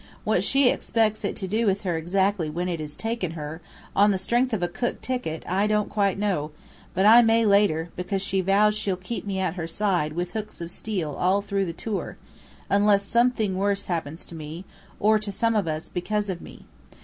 What she expects it to do with her exactly when it has taken her, on the strength of a Cook ticket, I don't quite know; but I may later, because she vows she'll keep me at her side with hooks of steel all through the tour unless something worse happens to me, or to some of us because of me."